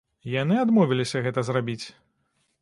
Яны адмовіліся гэта зрабіць.